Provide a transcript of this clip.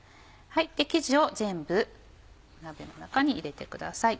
生地を全部鍋の中に入れてください。